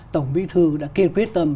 tổng bí thư đã kiên quyết tâm